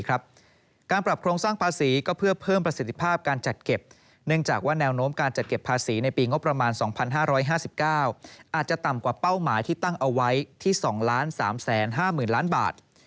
การปรับโครงสร้างภาษีก็เพื่อเพิ่มประสิทธิภาพการจัดเก็บเนื่องจากว่าแนวโน้มการจัดเก็บภาษีในปีงบประมาณ๒๕๕๙อาจจะต่ำกว่าเป้าหมายที่ตั้งเอาไว้ที่๒๓๕๐๐๐ล้านบาท